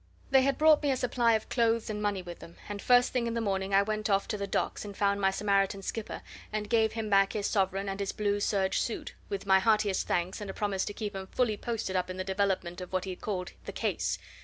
They had brought me a supply of clothes and money with them, and first thing in the morning I went off to the docks and found my Samaritan skipper, and gave him back his sovereign and his blue serge suit, with my heartiest thanks and a promise to keep him fully posted up in the development of what he called the case.